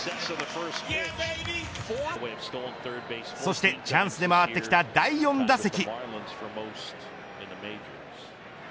そしてチャンスで回ってきた第４打席。